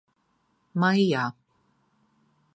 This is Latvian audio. Maijā.